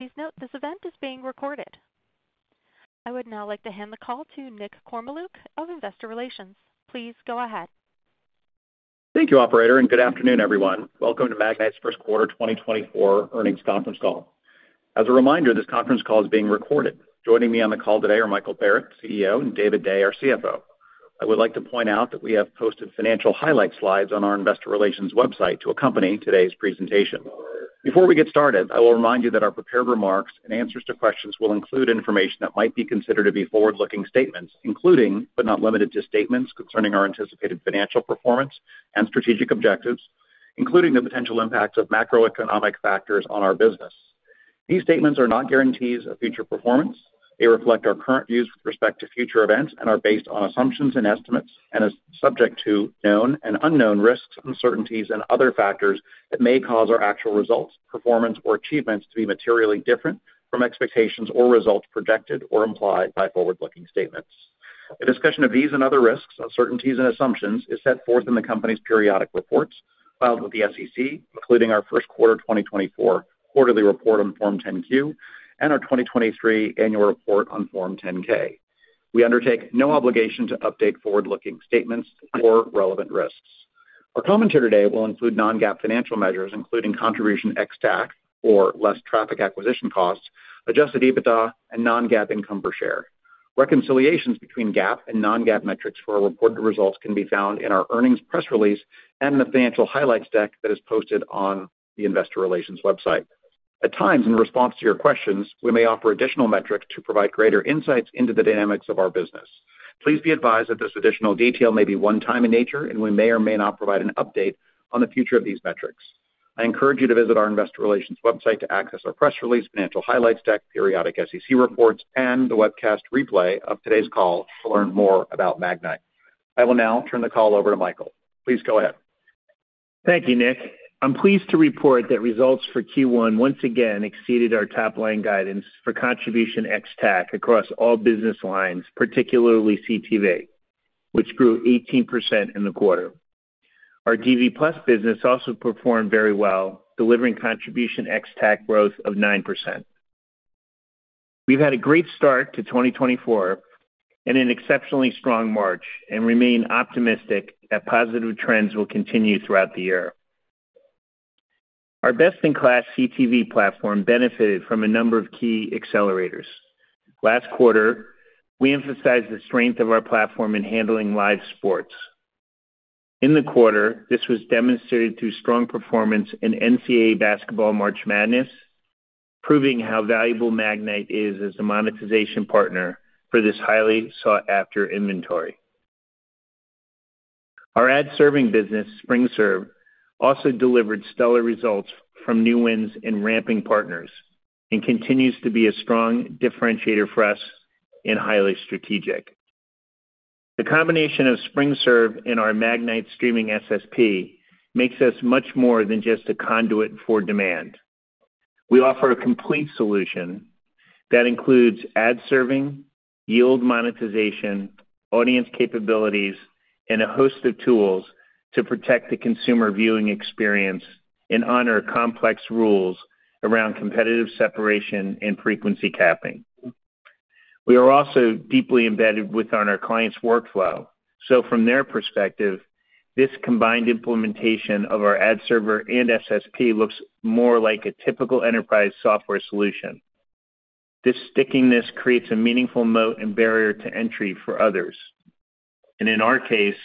Please note this event is being recorded. I would now like to hand the call to Nick Kormeluk of Investor Relations. Please go ahead. Thank you, operator, and good afternoon, everyone. Welcome to Magnite's First Quarter 2024 Earnings Conference Call. As a reminder, this conference call is being recorded. Joining me on the call today are Michael Barrett, CEO, and David Day, our CFO. I would like to point out that we have posted financial highlight slides on our Investor Relations website to accompany today's presentation. Before we get started, I will remind you that our prepared remarks and answers to questions will include information that might be considered to be forward-looking statements, including but not limited to statements concerning our anticipated financial performance and strategic objectives, including the potential impacts of macroeconomic factors on our business. These statements are not guarantees of future performance. They reflect our current views with respect to future events and are based on assumptions and estimates and are subject to known and unknown risks, uncertainties, and other factors that may cause our actual results, performance, or achievements to be materially different from expectations or results projected or implied by forward-looking statements. A discussion of these and other risks, uncertainties, and assumptions is set forth in the company's periodic reports filed with the SEC, including our first quarter 2024 quarterly report on Form 10-Q and our 2023 annual report on Form 10-K. We undertake no obligation to update forward-looking statements or relevant risks. Our commentary today will include non-GAAP financial measures, including contribution ex-TAC, adjusted EBITDA, and non-GAAP income per share. Reconciliations between GAAP and non-GAAP metrics for our reported results can be found in our earnings press release and in the financial highlights deck that is posted on the Investor Relations website. At times, in response to your questions, we may offer additional metrics to provide greater insights into the dynamics of our business. Please be advised that this additional detail may be one-time in nature, and we may or may not provide an update on the future of these metrics. I encourage you to visit our Investor Relations website to access our press release, financial highlights deck, periodic SEC reports, and the webcast replay of today's call to learn more about Magnite. I will now turn the call over to Michael. Please go ahead. Thank you, Nick. I'm pleased to report that results for Q1 once again exceeded our top-line guidance for contribution ex-TAC across all business lines, particularly CTV, which grew 18% in the quarter. Our DV+ business also performed very well, delivering contribution ex-TAC growth of 9%. We've had a great start to 2024 and an exceptionally strong March, and remain optimistic that positive trends will continue throughout the year. Our best-in-class CTV platform benefited from a number of key accelerators. Last quarter, we emphasized the strength of our platform in handling live sports. In the quarter, this was demonstrated through strong performance in NCAA Basketball March Madness, proving how valuable Magnite is as a monetization partner for this highly sought-after inventory. Our ad-serving business, SpringServe, also delivered stellar results from new wins and ramping partners and continues to be a strong differentiator for us in highly strategic. The combination of SpringServe and our Magnite Streaming SSP makes us much more than just a conduit for demand. We offer a complete solution that includes ad-serving, yield monetization, audience capabilities, and a host of tools to protect the consumer viewing experience and honor complex rules around competitive separation and frequency capping. We are also deeply embedded within our clients' workflow, so from their perspective, this combined implementation of our ad server and SSP looks more like a typical enterprise software solution. This stickiness creates a meaningful moat and barrier to entry for others. And in our case,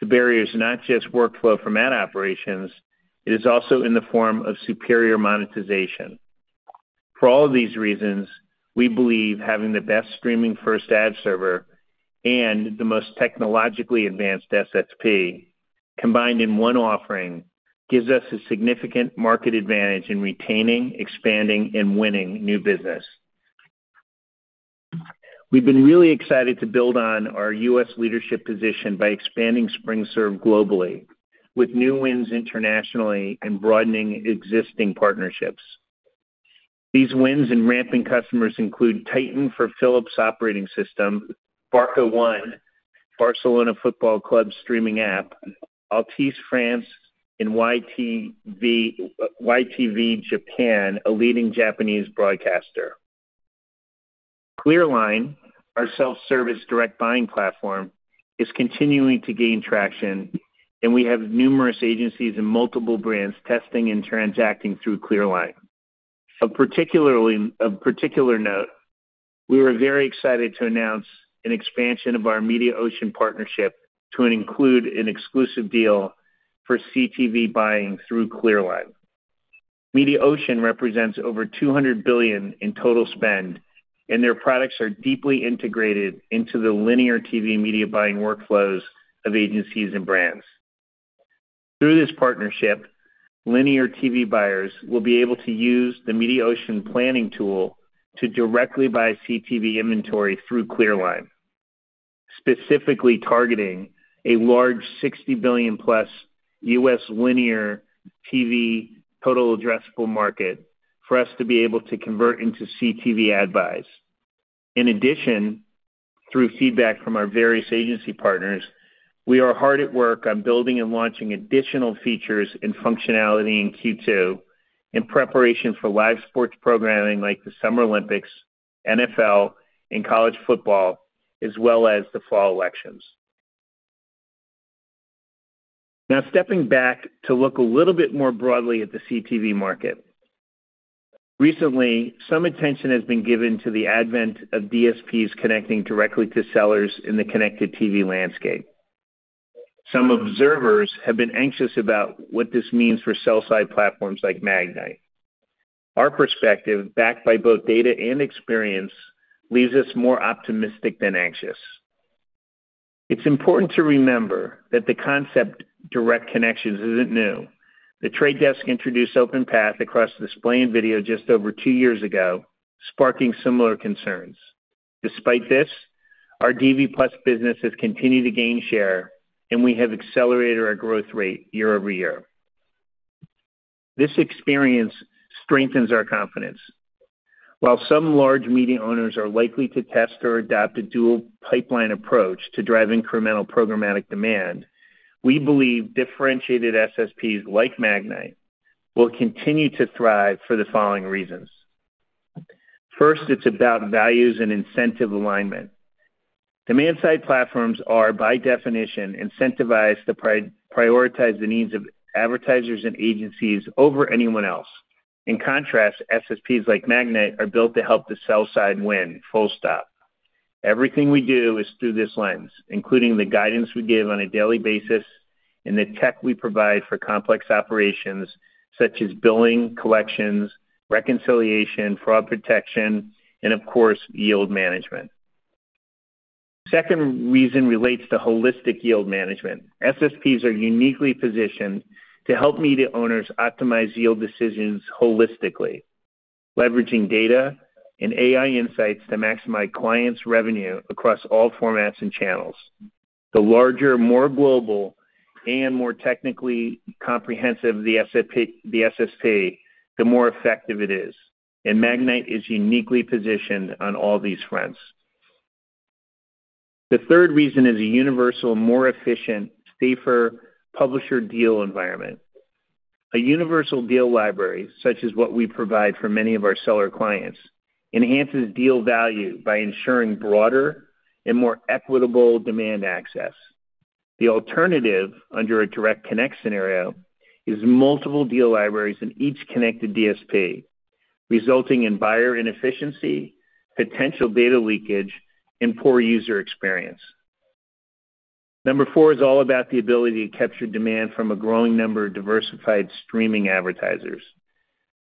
the barrier is not just workflow from ad operations. It is also in the form of superior monetization. For all of these reasons, we believe having the best streaming-first ad server and the most technologically advanced SSP combined in one offering gives us a significant market advantage in retaining, expanding, and winning new business. We've been really excited to build on our U.S. leadership position by expanding SpringServe globally with new wins internationally and broadening existing partnerships. These wins and ramping customers include Titan for Philips operating system, Barça One, Barcelona Football Club streaming app, Altice France, and YTV, YTV Japan, a leading Japanese broadcaster. ClearLine, our self-service direct buying platform, is continuing to gain traction, and we have numerous agencies and multiple brands testing and transacting through ClearLine. Of particular note, we were very excited to announce an expansion of our Mediaocean partnership to include an exclusive deal for CTV buying through ClearLine. Mediaocean represents over $200 billion in total spend, and their products are deeply integrated into the linear TV media buying workflows of agencies and brands. Through this partnership, linear TV buyers will be able to use the Mediaocean planning tool to directly buy CTV inventory through ClearLine, specifically targeting a large $60 billion-plus U.S. linear TV total addressable market for us to be able to convert into CTV ad buys in addition. Through feedback from our various agency partners, we are hard at work on building and launching additional features and functionality in Q2 in preparation for live sports programming like the Summer Olympics, NFL, and college football, as well as the fall elections. Now, stepping back to look a little bit more broadly at the CTV market, recently some attention has been given to the advent of DSPs connecting directly to sellers in the connected TV landscape. Some observers have been anxious about what this means for sell-side platforms like Magnite. Our perspective, backed by both data and experience, leaves us more optimistic than anxious. It's important to remember that the concept direct connections isn't new. The Trade Desk introduced OpenPath across display and video just over two years ago, sparking similar concerns. Despite this, our DV+ business has continued to gain share, and we have accelerated our growth rate year-over-year. This experience strengthens our confidence. While some large media owners are likely to test or adopt a dual pipeline approach to drive incremental programmatic demand, we believe differentiated SSPs like Magnite will continue to thrive for the following reasons. First, it's about values and incentive alignment. Demand-side platforms are, by definition, incentivized to prioritize the needs of advertisers and agencies over anyone else. In contrast, SSPs like Magnite are built to help the sell-side win full stop. Everything we do is through this lens, including the guidance we give on a daily basis and the tech we provide for complex operations such as billing, collections, reconciliation, fraud protection, and of course, yield management. The second reason relates to holistic yield management. SSPs are uniquely positioned to help media owners optimize yield decisions holistically, leveraging data and AI insights to maximize clients' revenue across all formats and channels. The larger, more global, and more technically comprehensive the SSP, the more effective it is, and Magnite is uniquely positioned on all these fronts. The third reason is a universal, more efficient, safer publisher deal environment. A Universal Deal Library, such as what we provide for many of our seller clients, enhances deal value by ensuring broader and more equitable demand access. The alternative under a direct connect scenario is multiple deal libraries in each connected DSP, resulting in buyer inefficiency, potential data leakage, and poor user experience. Number four is all about the ability to capture demand from a growing number of diversified streaming advertisers.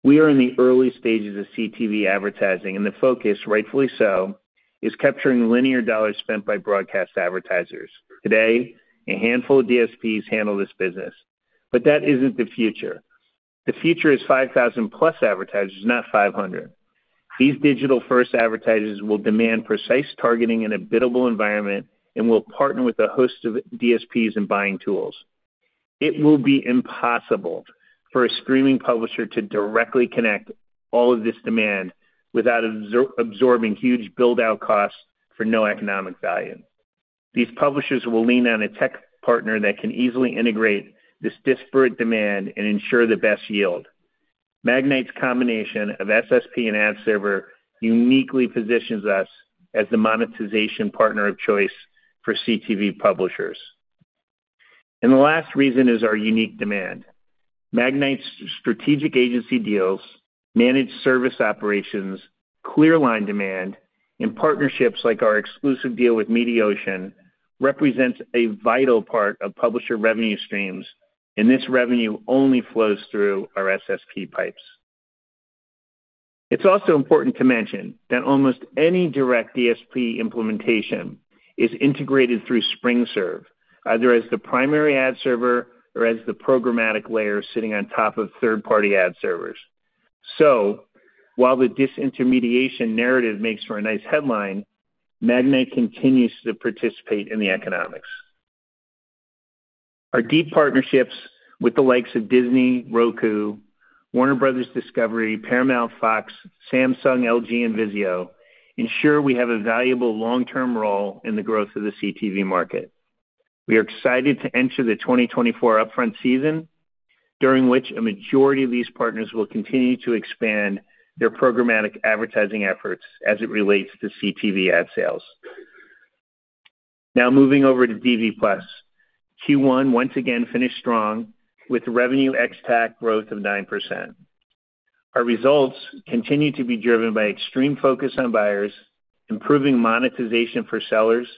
We are in the early stages of CTV advertising, and the focus, rightfully so, is capturing linear dollars spent by broadcast advertisers. Today, a handful of DSPs handle this business, but that isn't the future. The future is 5,000-plus advertisers, not 500. These digital-first advertisers will demand precise targeting and a biddable environment and will partner with a host of DSPs and buying tools. It will be impossible for a streaming publisher to directly connect all of this demand without absorbing huge build-out costs for no economic value. These publishers will lean on a tech partner that can easily integrate this disparate demand and ensure the best yield. Magnite's combination of SSP and ad server uniquely positions us as the monetization partner of choice for CTV publishers. And the last reason is our unique demand. Magnite's strategic agency deals, managed service operations, ClearLine demand, and partnerships like our exclusive deal with Mediaocean represent a vital part of publisher revenue streams, and this revenue only flows through our SSP pipes. It's also important to mention that almost any direct DSP implementation is integrated through SpringServe, either as the primary ad server or as the programmatic layer sitting on top of third-party ad servers. So while the disintermediation narrative makes for a nice headline, Magnite continues to participate in the economics. Our deep partnerships with the likes of Disney, Roku, Warner Bros. Discovery, Paramount, Fox, Samsung, LG, and Vizio ensure we have a valuable long-term role in the growth of the CTV market. We are excited to enter the 2024 upfront season, during which a majority of these partners will continue to expand their programmatic advertising efforts as it relates to CTV ad sales. Now moving over to DV+, Q1 once again finished strong with revenue ex-TAC growth of 9%. Our results continue to be driven by extreme focus on buyers, improving monetization for sellers,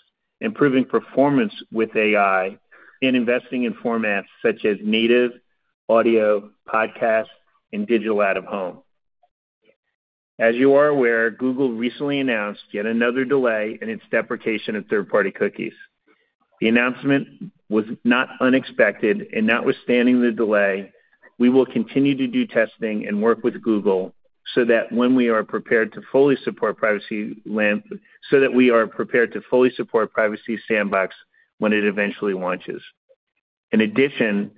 improving performance with AI, and investing in formats such as native, audio, podcast, and digital out-of-home. As you are aware, Google recently announced yet another delay in its deprecation of third-party cookies. The announcement was not unexpected, and notwithstanding the delay, we will continue to do testing and work with Google so that when we are prepared to fully support Privacy Sandbox, we are prepared to fully support Privacy Sandbox when it eventually launches. In addition,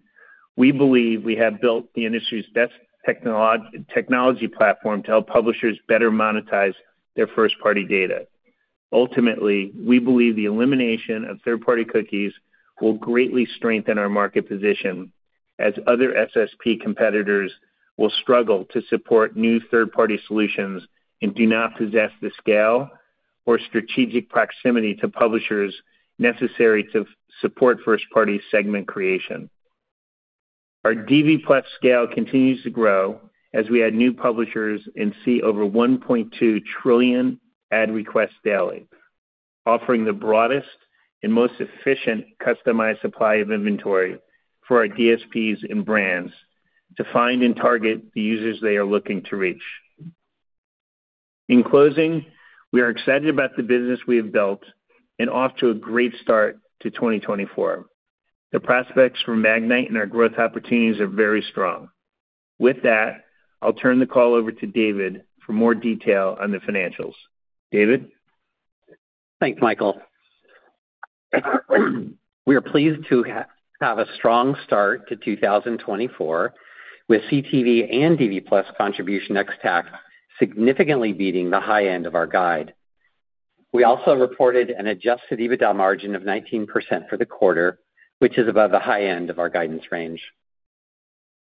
we believe we have built the industry's best technology platform to help publishers better monetize their first-party data. Ultimately, we believe the elimination of third-party cookies will greatly strengthen our market position as other SSP competitors will struggle to support new third-party solutions and do not possess the scale or strategic proximity to publishers necessary to support first-party segment creation. Our DV+ scale continues to grow as we add new publishers and see over 1.2 trillion ad requests daily, offering the broadest and most efficient customized supply of inventory for our DSPs and brands to find and target the users they are looking to reach. In closing, we are excited about the business we have built and off to a great start to 2024. The prospects for Magnite and our growth opportunities are very strong. With that, I'll turn the call over to David for more detail on the financials. David? Thanks, Michael. We are pleased to have a strong start to 2024 with CTV and DV+ contribution ex-TAC significantly beating the high end of our guide. We also reported an adjusted EBITDA margin of 19% for the quarter, which is above the high end of our guidance range.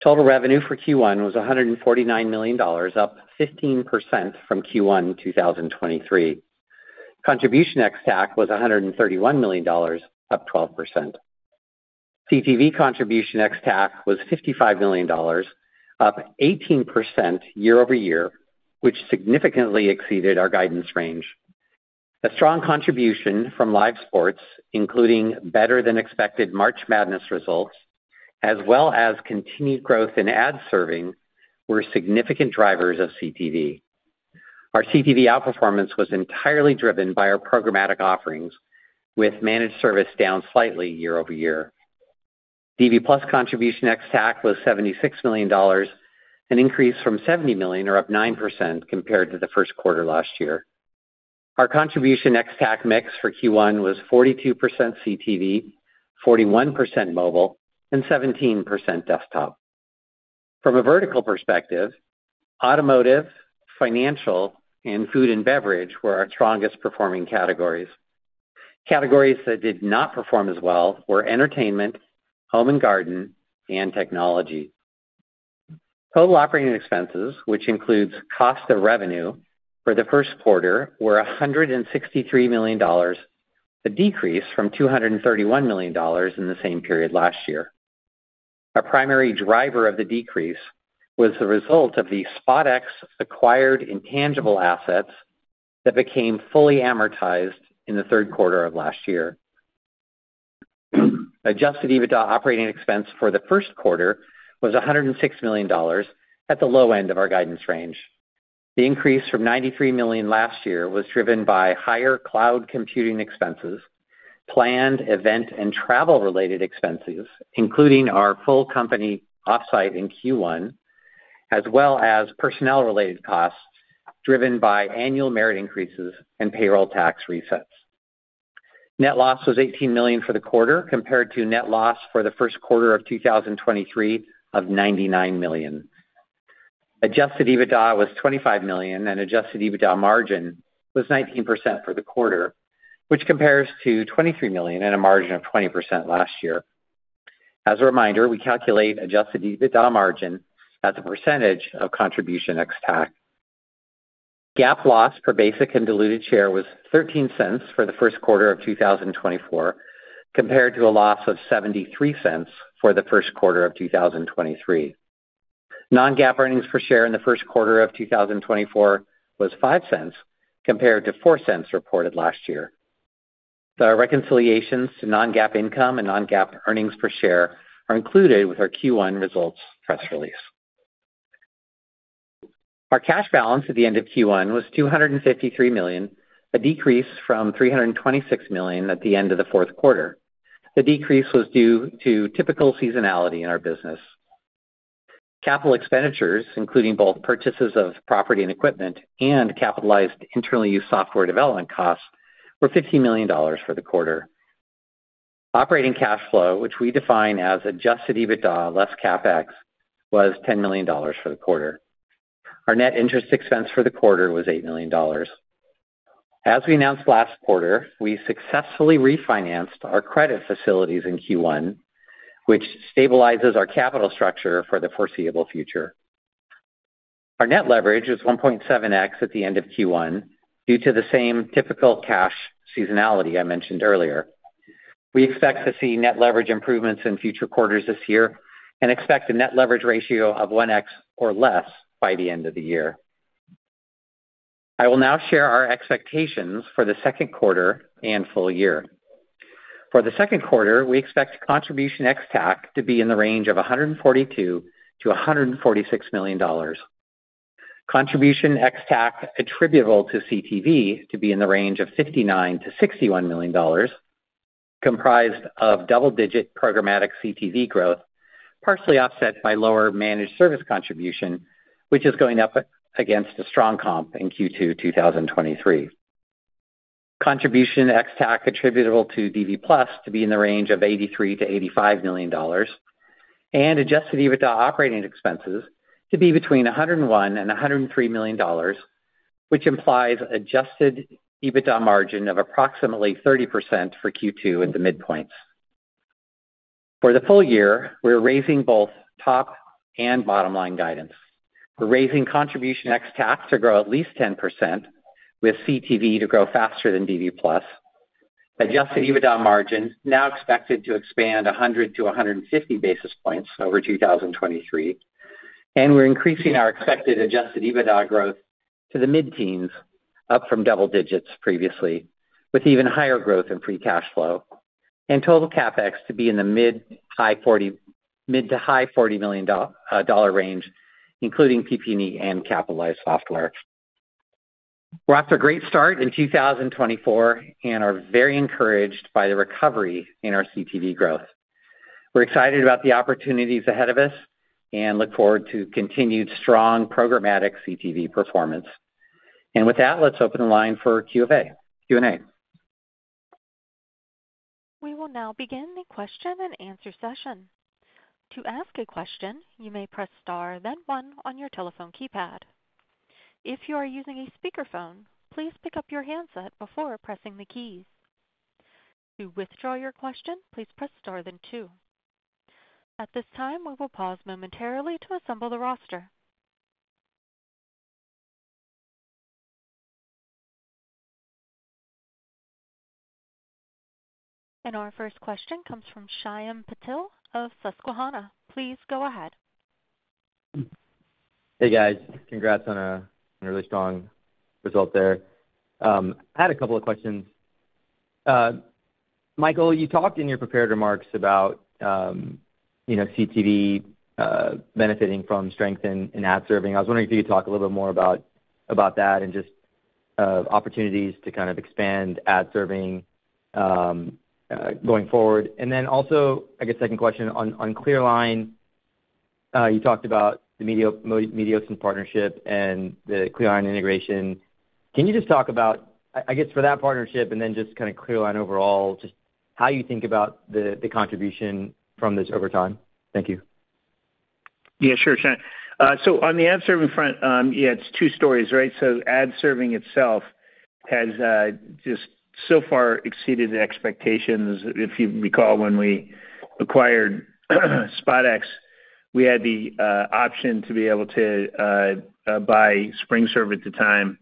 Total revenue for Q1 was $149 million, up 15% from Q1 2023. Contribution ex-TAC was $131 million, up 12%. CTV contribution ex-TAC was $55 million, up 18% year-over-year, which significantly exceeded our guidance range. A strong contribution from live sports, including better-than-expected March Madness results, as well as continued growth in ad serving, were significant drivers of CTV. Our CTV outperformance was entirely driven by our programmatic offerings, with managed service down slightly year-over-year. DV+ contribution ex-TAC was $76 million, an increase from $70 million or up 9% compared to the first quarter last year. Our contribution ex-TAC mix for Q1 was 42% CTV, 41% mobile, and 17% desktop. From a vertical perspective, automotive, financial, and food and beverage were our strongest performing categories. Categories that did not perform as well were entertainment, home and garden, and technology. Total operating expenses, which includes cost of revenue for the first quarter, were $163 million, a decrease from $231 million in the same period last year. A primary driver of the decrease was the result of the SpotX acquired intangible assets that became fully amortized in the third quarter of last year. Adjusted EBITDA operating expense for the first quarter was $106 million at the low end of our guidance range. The increase from $93 million last year was driven by higher cloud computing expenses, planned event and travel-related expenses, including our full company offsite in Q1, as well as personnel-related costs driven by annual merit increases and payroll tax resets. Net loss was $18 million for the quarter compared to net loss for the first quarter of 2023 of $99 million. Adjusted EBITDA was $25 million, and adjusted EBITDA margin was 19% for the quarter, which compares to $23 million and a margin of 20% last year. As a reminder, we calculate adjusted EBITDA margin as a percentage of contribution ex-TAC. GAAP loss per basic and diluted share was $0.13 for the first quarter of 2024 compared to a loss of $0.73 for the first quarter of 2023. Non-GAAP earnings per share in the first quarter of 2024 was $0.05 compared to $0.04 reported last year. The reconciliations to non-GAAP income and non-GAAP earnings per share are included with our Q1 results press release. Our cash balance at the end of Q1 was $253 million, a decrease from $326 million at the end of the fourth quarter. The decrease was due to typical seasonality in our business. Capital expenditures, including both purchases of property and equipment and capitalized internally used software development costs, were $15 million for the quarter. Operating cash flow, which we define as Adjusted EBITDA less CapEx, was $10 million for the quarter. Our net interest expense for the quarter was $8 million. As we announced last quarter, we successfully refinanced our credit facilities in Q1, which stabilizes our capital structure for the foreseeable future. Our net leverage was 1.7x at the end of Q1 due to the same typical cash seasonality I mentioned earlier. We expect to see net leverage improvements in future quarters this year and expect a net leverage ratio of 1x or less by the end of the year. I will now share our expectations for the second quarter and full year. For the second quarter, we expect Contribution ex-TAC to be in the range of $142-$146 million. Contribution ex-TAC attributable to CTV to be in the range of $59-$61 million, comprised of double-digit programmatic CTV growth partially offset by lower managed service contribution, which is going up against a strong comp in Q2 2023. Contribution ex-TAC attributable to DV+ to be in the range of $83-$85 million and Adjusted EBITDA operating expenses to be between $101 and $103 million, which implies Adjusted EBITDA margin of approximately 30% for Q2 at the midpoints. For the full year, we're raising both top and bottom line guidance. We're raising Contribution ex-TAC to grow at least 10% with CTV to grow faster than DV+. Adjusted EBITDA margin now expected to expand 100-150 basis points over 2023, and we're increasing our expected adjusted EBITDA growth to the mid-teens, up from double digits previously, with even higher growth in free cash flow and total CapEx to be in the mid- to high $40 million range, including PP&E and capitalized software. We're off to a great start in 2024 and are very encouraged by the recovery in our CTV growth. We're excited about the opportunities ahead of us and look forward to continued strong programmatic CTV performance. And with that, let's open the line for Q&A. We will now begin the Q&A session. To ask a question, you may press star, then one on your telephone keypad. If you are using a speakerphone, please pick up your handset before pressing the keys. To withdraw your question, please press star, then two. At this time, we will pause momentarily to assemble the roster. Our first question comes from Shyam Patil of Susquehanna. Please go ahead. Hey, guys. Congrats on a really strong result there. I had a couple of questions. Michael, you talked in your prepared remarks about CTV benefiting from strength in ad serving. I was wondering if you could talk a little bit more about that and just opportunities to kind of expand ad serving going forward. And then also, I guess, second question, on ClearLine, you talked about the Mediaocean partnership and the ClearLine integration. Can you just talk about, I guess, for that partnership and then just kind of ClearLine overall, just how you think about the contribution from this over time? Thank you. Yeah, sure, Shyam. So on the ad serving front, yeah, it's two stories, right? So ad serving itself has just so far exceeded expectations. If you recall, when we acquired SpotX, we had the option to be able to buy SpringServe at the time,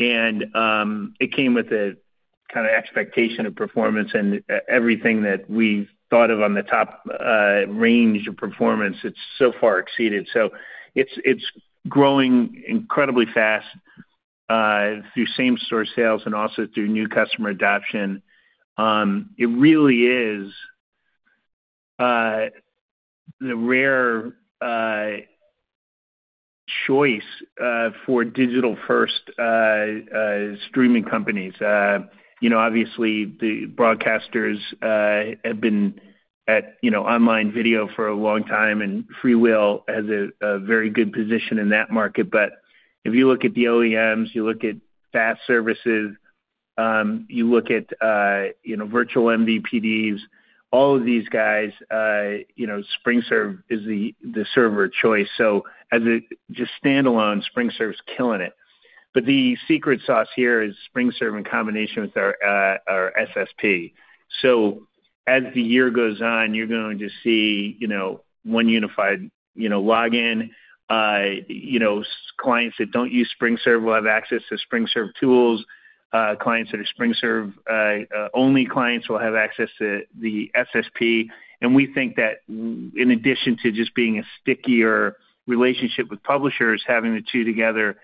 and it came with a kind of expectation of performance. And everything that we thought of on the top range of performance, it's so far exceeded. So it's it's growing incredibly fast through same-source sales and also through new customer adoption. It really is the rare choice for digital-first streaming companies. You know, obviously, the broadcasters have been at online video for a long time, and FreeWheel has a very good position in that market. But if you look at the OEMs, you look at fast services, you look at virtual MVPDs, all of these guys, SpringServe is the server choice. So as a just standalone, SpringServe's killing it. But the secret sauce here is SpringServe in combination with our SSP. As the year goes on, you're going to see, you know, one unified login. Clients that don't use SpringServe will have access to SpringServe tools. Clients that are SpringServe-only clients will have access to the SSP. And we think that in addition to just being a stickier relationship with publishers, having the two together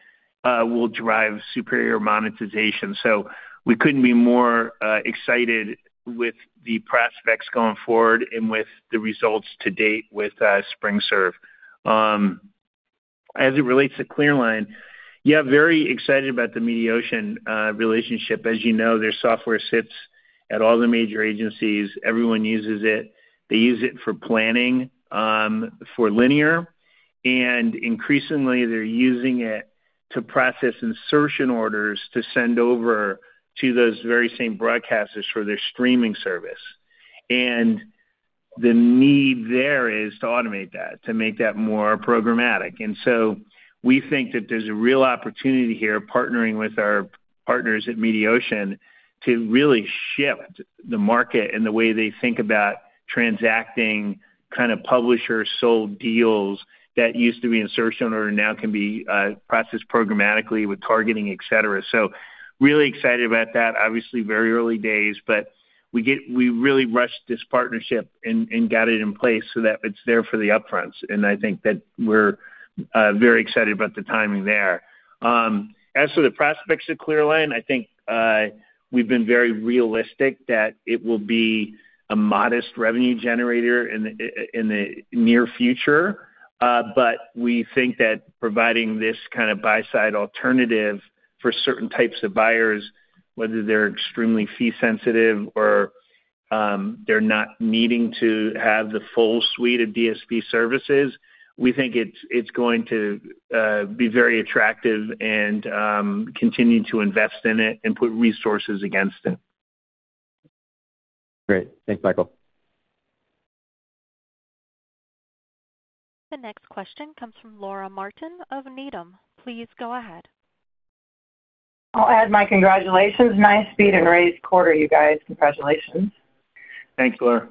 will drive superior monetization. So we couldn't be more excited with the prospects going forward and with the results to date with SpringServe. As it relates to ClearLine, yeah, very excited about the Mediaocean relationship. As you know, their software sits at all the major agencies. Everyone uses it. They use it for planning for Linear, and increasingly, they're using it to process insertion orders to send over to those very same broadcasters for their streaming service. And the need there is to automate that, to make that more programmatic. And so, we think that there's a real opportunity here, partnering with our partners at Mediaocean, to really shift the market and the way they think about transacting kind of publisher-sold deals that used to be insertion order, now can be processed programmatically with targeting, etc. So really excited about that. Obviously, very early days, but we really rushed this partnership and got it in place so that it's there for the upfront. I think that we're very excited about the timing there. As for the prospects of ClearLine, I think we've been very realistic that it will be a modest revenue generator in the near future. But we think that providing this kind of buy-side alternative for certain types of buyers, whether they're extremely fee-sensitive or they're not needing to have the full suite of DSP services, we think it's going to be very attractive and continue to invest in it and put resources against it. Great. Thanks, Michael. The next question comes from Laura Martin of Needham. Please go ahead. I'll add my congratulations. Nice beat and raised quarter, you guys. Congratulations. Thanks, Laura.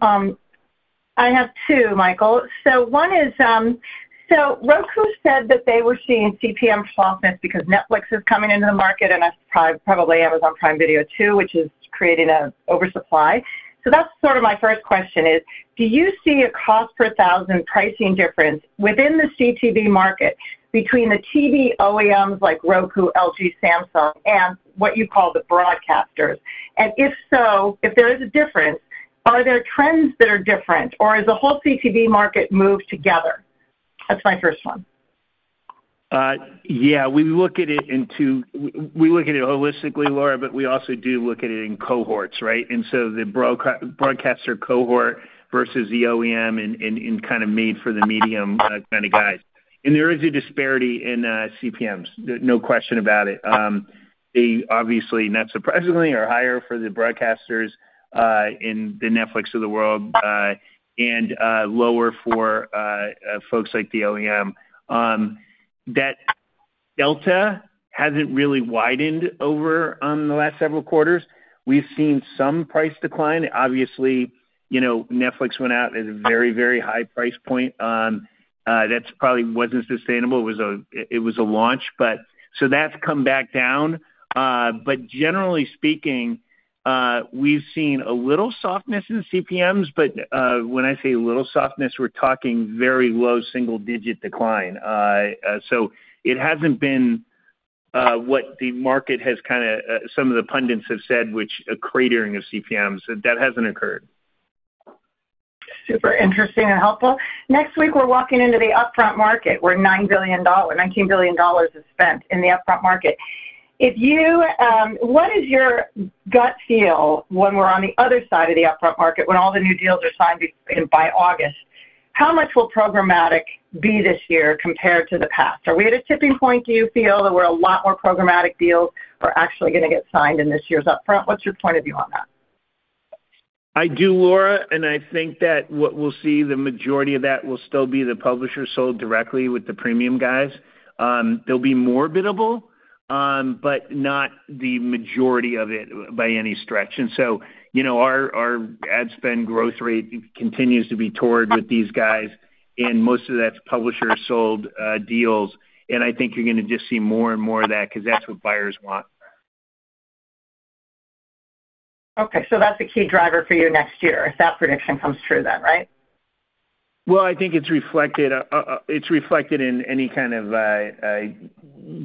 I have two, Michael. So one is so Roku said that they were seeing CPM softness because Netflix is coming into the market, and probably Amazon Prime Video too, which is creating an oversupply. So that's sort of my first question, is do you see a cost-per-thousand pricing difference within the CTV market between the TV OEMs like Roku, LG, Samsung, and what you call the broadcasters? And if so, if there is a difference, are there trends that are different, or has the whole CTV market moved together? That's my first one. Yeah. We look at it in two; we look at it holistically, Laura, but we also do look at it in cohorts, right? And so the broadcaster cohort versus the OEM and kind of made for the medium kind of guys. And there is a disparity in CPMs, no question about it. They obviously, not surprisingly, are higher for the broadcasters in the Netflix of the world and lower for folks like the OEM. On that delta hasn't really widened over the last several quarters. We've seen some price decline. Obviously, you know, Netflix went out at a very, very high price point. That probably wasn't sustainable. It was a launch, but so that's come back down. But generally speaking, we've seen a little softness in CPMs. But when I say a little softness, we're talking very low single-digit decline. So it hasn't been what the market has kind of some of the pundits have said, which a cratering of CPMs. So that hasn't occurred. Super interesting and helpful. Next week, we're walking into the upfront market, where $19 billion is spent in the upfront market. What is your gut feel when we're on the other side of the upfront market, when all the new deals are signed in by August? How much will programmatic be this year compared to the past? Are we at a tipping point, do you feel, that where a lot more programmatic deals are actually going to get signed in this year's upfront? What's your point of view on that? I do, Laura. And I think that what we'll see, the majority of that will still be the publisher sold directly with the premium guys. They'll be more biddable, but not the majority of it by any stretch. And so our ad spend growth rate continues to be toward with these guys, and most of that's publisher-sold deals. And I think you're going to just see more and more of that because that's what buyers want. Okay. So that's a key driver for you next year if that prediction comes true then, right? Well, I think it's reflected in any kind of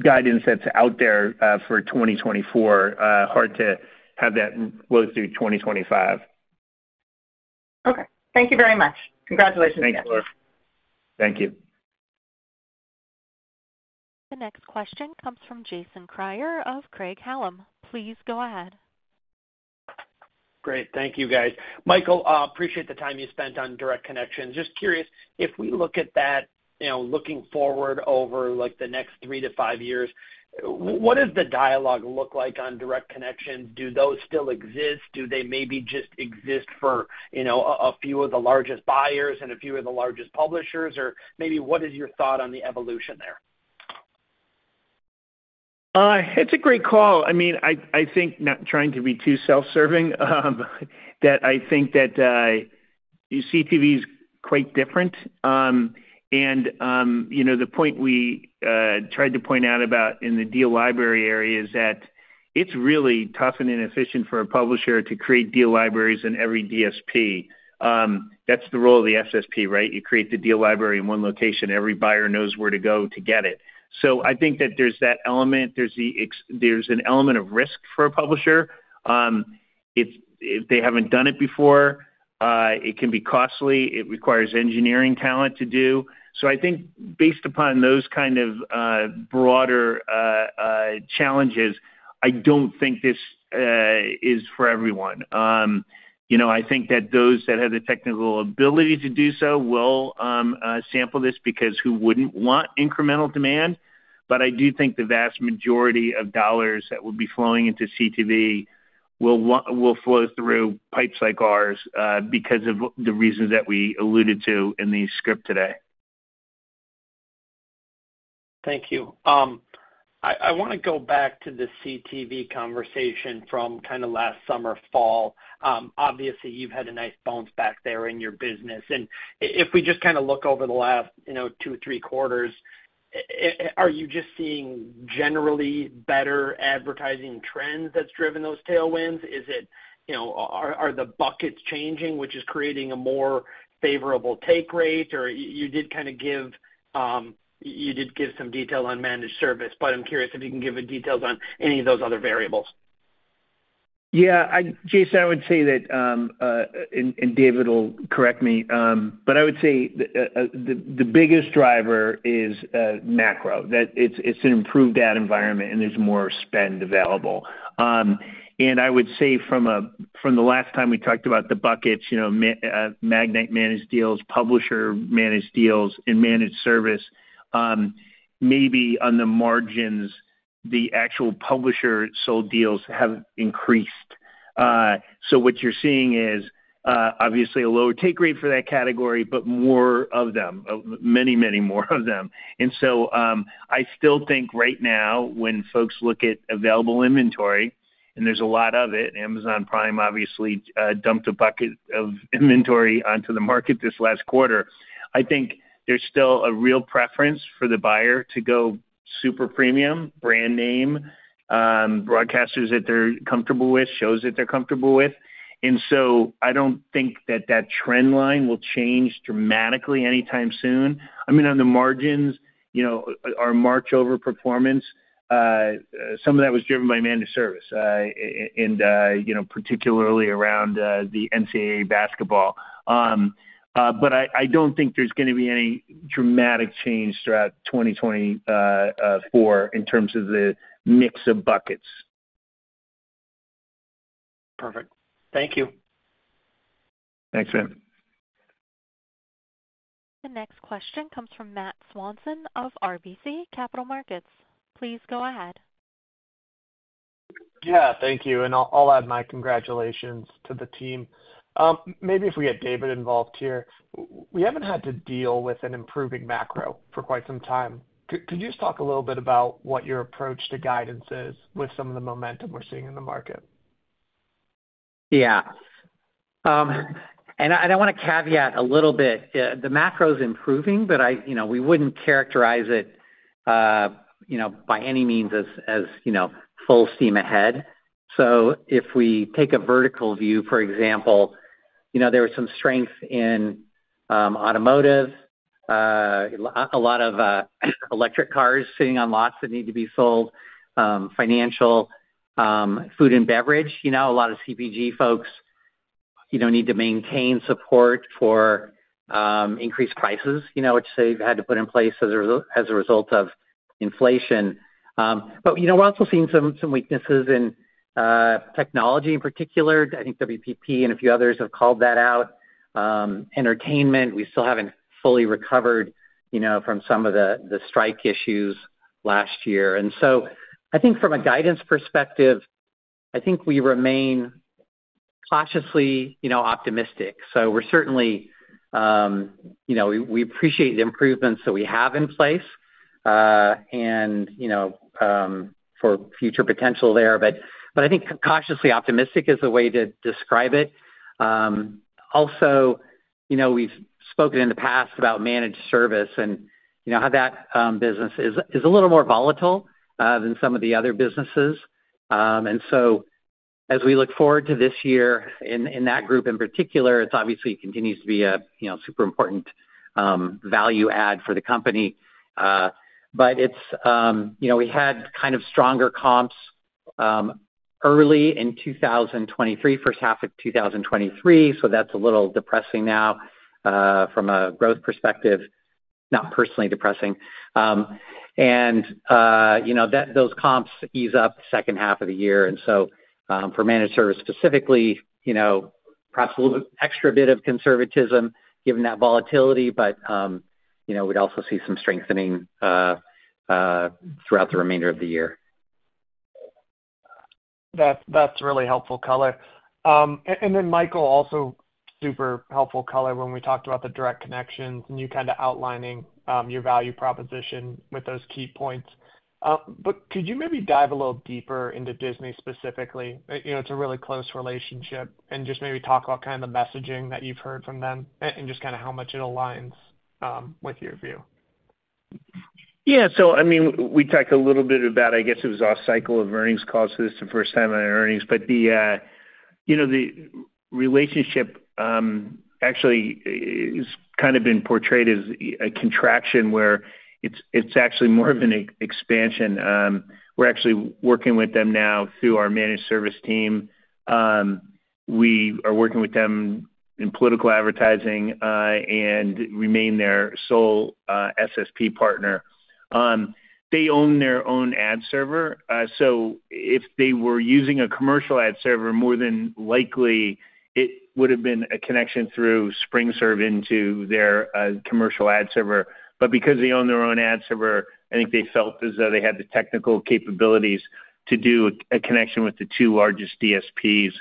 guidance that's out there for 2024. Hard to have that go through 2025. Okay. Thank you very much. Congratulations, guys. Thanks, Laura. Thank you. The next question comes from Jason Kreyer of Craig-Hallum. Please go ahead. Great. Thank you, guys. Michael, appreciate the time you spent on Direct Connections. Just curious, if we look at that looking forward over the next 3-5 years, what does the dialogue look like on Direct Connections? Do those still exist? Do they maybe just exist for a few of the largest buyers and a few of the largest publishers? Or maybe what is your thought on the evolution there? It's a great call. I mean, I think, not trying to be too self-serving, that I think that CTV is quite different. And, you know, the point we tried to point out about in the deal library area is that it's really tough and inefficient for a publisher to create deal libraries in every DSP. That's the role of the SSP, right? You create the deal library in one location. Every buyer knows where to go to get it. So I think that there's that element. There's an element of risk for a publisher. If they haven't done it before, it can be costly. It requires engineering talent to do. So I think based upon those kind of broader challenges, I don't think this is for everyone. I think that those that have the technical ability to do so will sample this because who wouldn't want incremental demand? But I do think the vast majority of dollars that will be flowing into CTV will flow through pipes like ours because of the reasons that we alluded to in the script today. Thank you. I want to go back to the CTV conversation from kind of last summer, fall. Obviously, you've had a nice bounce back there in your business. And if we just kind of look over the last two or three quarters, are you just seeing generally better advertising trends that's driven those tailwinds? Are the buckets changing, which is creating a more favorable take rate? Or you did kind of give, give some detail on managed service, but I'm curious if you can give details on any of those other variables. Yeah. Jason, I would say that and David, he'll correct me. But I would say the biggest driver is macro, that it's an improved ad environment, and there's more spend available. And I would say from, from the last time we talked about the buckets, Magnite managed deals, publisher-managed deals, and managed service, maybe on the margins, the actual publisher-sold deals have increased. So what you're seeing is, obviously, a lower take rate for that category, but more of them, many, many more of them. And so I still think right now, when folks look at available inventory, and there's a lot of it, Amazon Prime, obviously, dumped a bucket of inventory onto the market this last quarter. I think there's still a real preference for the buyer to go super premium, brand name, broadcasters that they're comfortable with, shows that they're comfortable with. And so I don't think that that trend line will change dramatically anytime soon. I mean, on the margins, you know, our March over performance, some of that was driven by managed service, and particularly around the NCAA basketball. But I don't think there's going to be any dramatic change throughout 2024 in terms of the mix of buckets. Perfect. Thank you. Thanks, man. The next question comes from Matt Swanson of RBC Capital Markets. Please go ahead. Yeah. Thank you. And I'll add my congratulations to the team. Maybe if we get David involved here. We haven't had to deal with an improving macro for quite some time. Could you just talk a little bit about what your approach to guidance is with some of the momentum we're seeing in the market? Yeah. And I want to caveat a little bit. The macro is improving, but we wouldn't characterize it, you know, as by any means as, you know, full steam ahead. So if we take a vertical view, for example, there was some strength in automotive, a lot of electric cars sitting on lots that need to be sold, financial, food and beverage. A lot of CPG folks need to maintain support for increased prices, which they've had to put in place as a result of inflation. But we're also seeing some weaknesses in technology in particular. I think WPP and a few others have called that out. Entertainment, we still haven't fully recovered, you know, from some of the strike issues last year. And so I think from a guidance perspective, I think we remain cautiously optimistic. So we're certainly, you know, appreciate the improvements that we have in place and, you know, for future potential there. But I think cautiously optimistic is the way to describe it. Also, we've spoken in the past about managed service and how that business is a little more volatile than some of the other businesses. And so as we look forward to this year in that group in particular, it obviously continues to be a super important value add for the company. But we had kind of stronger comps early in 2023, first half of 2023. So that's a little depressing now from a growth perspective, not personally depressing. And those comps ease up second half of the year. And so for managed service specifically, you know, perhaps a little extra bit of conservatism given that volatility, but we'd also see some strengthening throughout the remainder of the year. That's really helpful color. And then, Michael, also super helpful color when we talked about the Direct Connections and you kind of outlining your value proposition with those key points. But could you maybe dive a little deeper into Disney specifically? It's a really close relationship. And just maybe talk about kind of the messaging that you've heard from them and just kind of how much it aligns with your view. Yeah. So I mean, we talked a little bit about I guess it was off-cycle of earnings caused for this the first time on earnings. But the relationship actually has kind of been portrayed as a contraction where it's actually more of an expansion. We're actually working with them now through our managed service team. We are working with them in political advertising and remain their sole SSP partner. They own their own ad server. So if they were using a commercial ad server, more than likely, it would have been a connection through SpringServe into their commercial ad server. But because they own their own ad server, I think they felt as though they had the technical capabilities to do a connection with the two largest DSPs.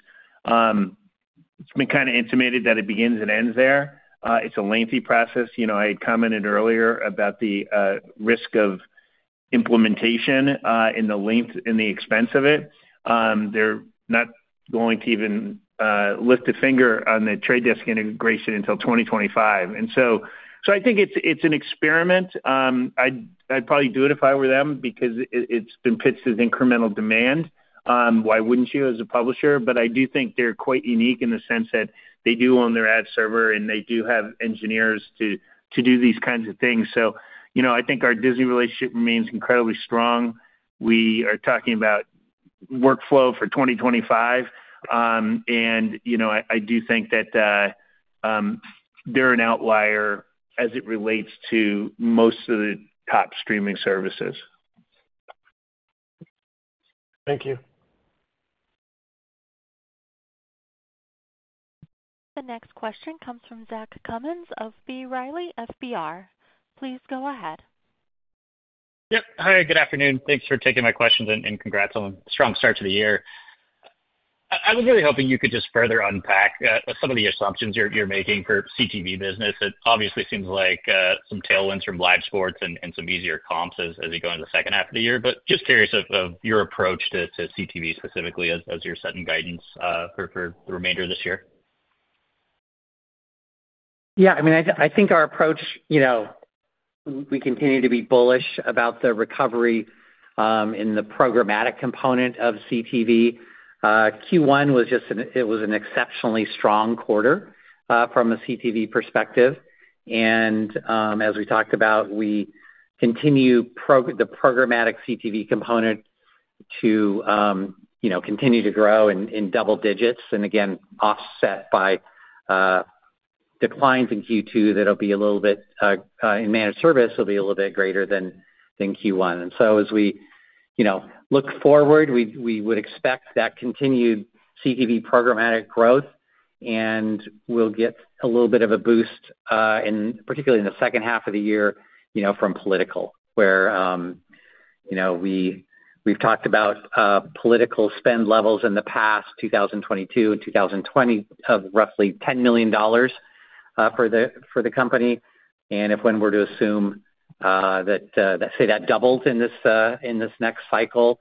It's been kind of intimated that it begins and ends there. It's a lengthy process. I had commented earlier about the risk of implementation and the length and the expense of it. They're not going to even lift a finger on the Trade Desk integration until 2025. And so I think it's an experiment. I'd probably do it if I were them because it's been pitched as incremental demand. Why wouldn't you as a publisher? But I do think they're quite unique in the sense that they do own their ad server, and they do have engineers to do these kinds of things. So I think our Disney relationship remains incredibly strong. We are talking about workflow for 2025. And I do think that they're an outlier as it relates to most of the top streaming services. Thank you. The next question comes from Zach Cummins of B. Riley Securities. Please go ahead. Yep. Hi. Good afternoon. Thanks for taking my questions and congrats on a strong start to the year. I was really hoping you could just further unpack some of the assumptions you're making for CTV business. It obviously seems like some tailwinds from live sports and some easier comps as you go into the second half of the year. But just curious of your approach to CTV specifically as you're setting guidance for the remainder of this year. Yeah. I mean, I think our approach, we continue to be bullish about the recovery in the programmatic component of CTV. Q1 was just, it was an exceptionally strong quarter from a CTV perspective. And as we talked about, we continue the programmatic CTV component to continue to grow in double digits and, again, offset by declines in Q2 that'll be a little bit in managed service, it'll be a little bit greater than Q1. So as we, you know, look forward, we would expect that continued CTV programmatic growth, and we'll get a little bit of a boost, particularly in the second half of the year, from political where, you know, we've talked about political spend levels in the past, 2022 and 2020, of roughly $10 million for the, for the company. And if when we're to assume that, say, that doubles in this next cycle,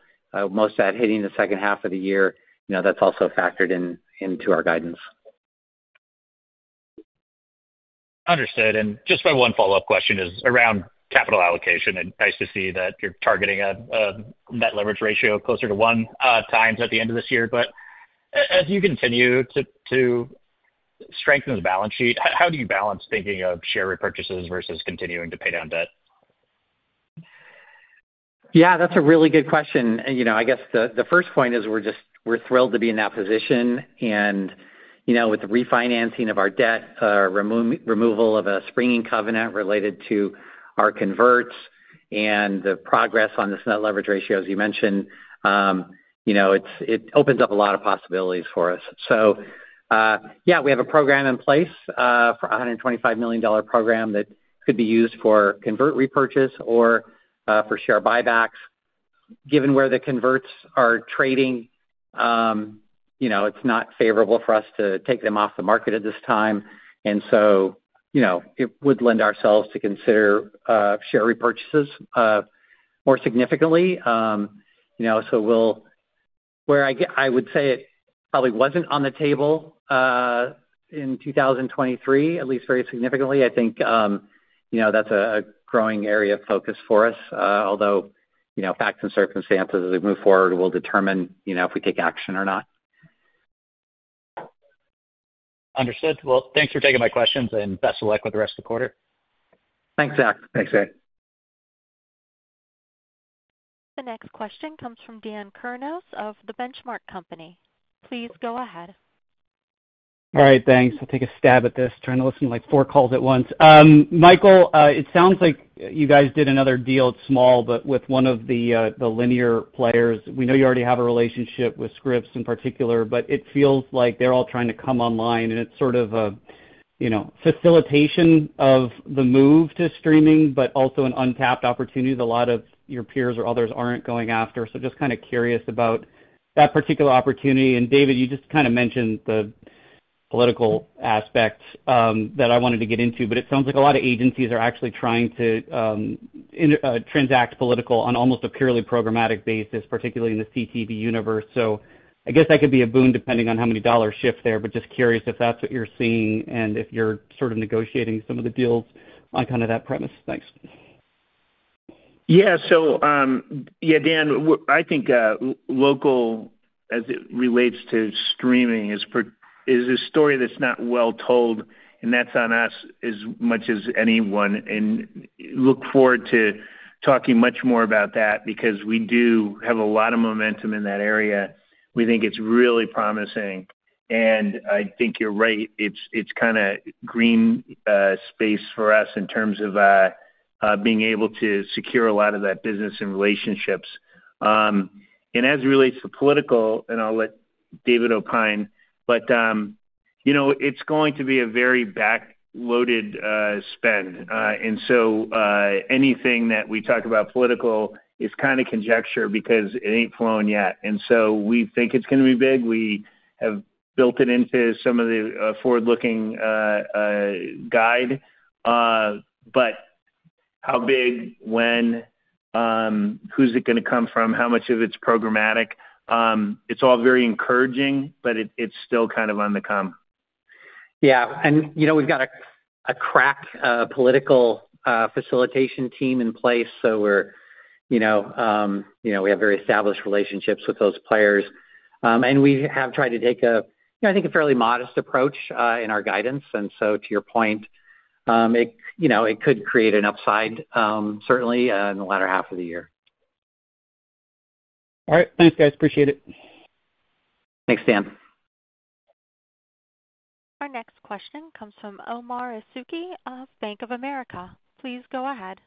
most of that hitting the second half of the year, that's also factored into our guidance. Understood. Just my one follow-up question is around capital allocation. Nice to see that you're targeting a net leverage ratio closer to one times at the end of this year. But as you continue to strengthen the balance sheet, how do you balance thinking of share repurchases versus continuing to pay down debt? Yeah. That's a really good question. I guess the first point is we're thrilled to be in that position. And you know, with the refinancing of our debt, removal of a springing covenant related to our converts, and the progress on this net leverage ratio, as you mentioned, you know, it opens up a lot of possibilities for us. Yeah, we have a program in place, a $125 million program that could be used for convert repurchase or for share buybacks. Given where the converts are trading, you know, it's not favorable for us to take them off the market at this time. And so you know, it would lend ourselves to consider share repurchases more significantly. Where I would say it probably wasn't on the table in 2023, at least very significantly, I think that's a growing area of focus for us, although facts and circumstances as we move forward will determine if we take action or not. Understood. Well, thanks for taking my questions, and best of luck with the rest of the quarter. Thanks, Zach. Thanks, Zach. The next question comes from Dan Kurnos of The Benchmark Company. Please go ahead. All right. Thanks. I'll take a stab at this. Trying to listen to four calls at once. Michael, it sounds like you guys did another deal, small, but with one of the linear players. We know you already have a relationship with Scripps in particular, but it feels like they're all trying to come online, and it's sort of a facilitation of the move to streaming, but also an untapped opportunity that a lot of your peers or others aren't going after. So just kind of curious about that particular opportunity. And David, you just kind of mentioned the political aspect that I wanted to get into, but it sounds like a lot of agencies are actually trying to transact political on almost a purely programmatic basis, particularly in the CTV universe. So I guess that could be a boon depending on how many dollars shift there, but just curious if that's what you're seeing and if you're sort of negotiating some of the deals on kind of that premise. Thanks. Yeah. So yeah, Dan, I think local, as it relates to streaming, is a story that's not well told, and that's on us as much as anyone. And look forward to talking much more about that because we do have a lot of momentum in that area. We think it's really promising. And I think you're right. It's it's kind of green space for us in terms of being able to secure a lot of that business and relationships. And as it relates to political, and I'll let David opine, but you know, it's going to be a very backloaded spend. And so anything that we talk about political is kind of conjecture because it ain't flown yet. And so we think it's going to be big. We have built it into some of the forward-looking guide. But how big, when, who's it going to come from, how much of it's programmatic? It's all very encouraging, but it's still kind of on the come. Yeah. And we've got a crack political facilitation team in place. So you know, we have very established relationships with those players. And we have tried to take a, I think, a fairly modest approach in our guidance. And so to your point, you know, it could create an upside, certainly, in the latter half of the year. All right. Thanks, guys. Appreciate it. Thanks, Dan. Our next question comes from Omar Dessouky of Bank of America. Please go ahead.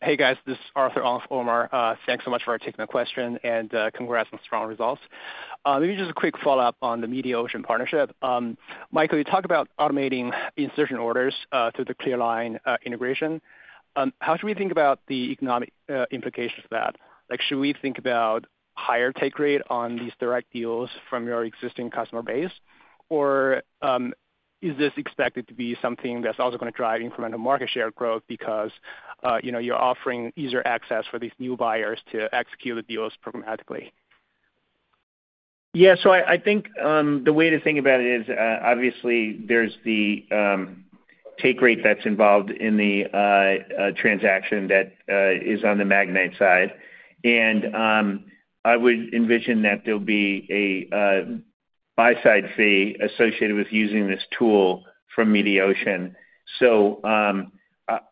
Hey, guys. This is Arthur for Omar. Thanks so much for taking the question, and congrats on strong results. Maybe just a quick follow-up on the Mediaocean partnership. Michael, you talk about automating insertion orders through the ClearLine integration. How should we think about the economic implications of that? Should we think about higher take rate on these direct deals from your existing customer base, or is this expected to be something that's also going to drive incremental market share growth because you're offering easier access for these new buyers to execute the deals programmatically? Yeah. So I think the way to think about it is, obviously, there's the take rate that's involved in the transaction that is on the Magnite side. And I would envision that there'll be a buy-side fee associated with using this tool from Mediaocean. So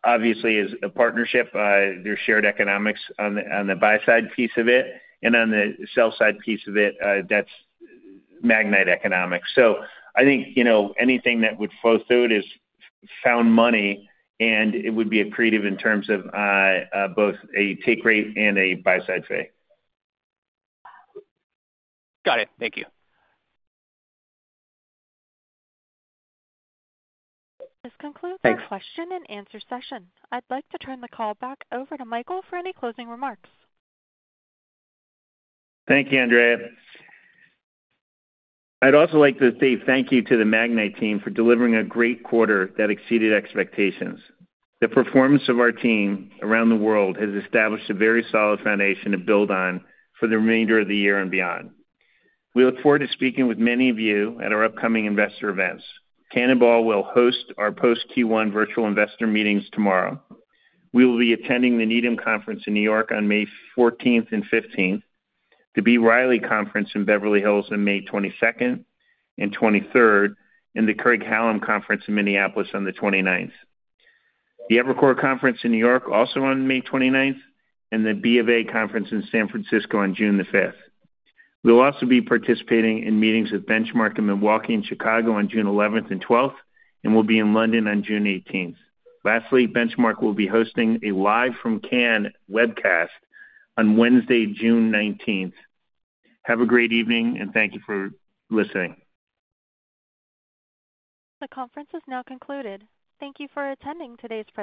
obviously, as a partnership, there's shared economics on the buy-side piece of it. And on the sell-side piece of it, that's Magnite economics. So I think anything that would flow through it is found money, and it would be accretive in terms of both a take rate and a buy-side fee. Got it. Thank you. This concludes our Q&A session. I'd like to turn the call back over to Michael for any closing remarks. Thank you, Andrea. I'd also like to say thank you to the Magnite team for delivering a great quarter that exceeded expectations. The performance of our team around the world has established a very solid foundation to build on for the remainder of the year and beyond. We look forward to speaking with many of you at our upcoming investor events. Canaccord will host our post-Q1 virtual investor meetings tomorrow. We will be attending the Needham Conference in New York on May 14th and 15th, the B. Riley Conference in Beverly Hills on May 22nd and 23rd, and the Craig-Hallum Conference in Minneapolis on the 29th, the Evercore Conference in New York also on May 29th, and the BofA Conference in San Francisco on June the 5th. We'll also be participating in meetings with Benchmark in Milwaukee and Chicago on June 11th and 12th, and we'll be in London on June 18th. Lastly, Benchmark will be hosting a live from Cannes webcast on Wednesday, June 19th. Have a great evening, and thank you for listening. The conference is now concluded. Thank you for attending today's program.